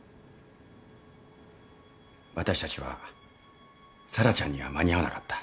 私たちは沙羅ちゃんには間に合わなかった。